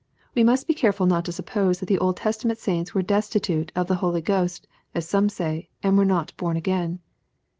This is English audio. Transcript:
— We must be careful not to suppose that the Old Testament saints were destitute of the Holy G host, as some say, and were not born again.